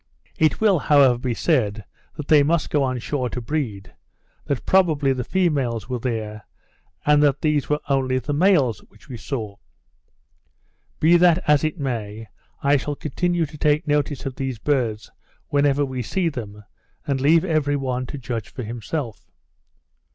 It will, however, be said, that they must go on shore to breed, that probably the females were there, and that these are only the males which we saw. Be this as it may, I shall continue to take notice of these birds whenever we see them, and leave every one to judge for himself.